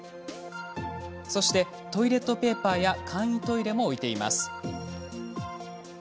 そして、トイレットペーパーや簡易トイレも置いています。